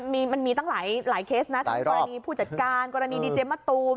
มันมีตั้งหลายเคสนะทั้งกรณีผู้จัดการกรณีดีเจมะตูม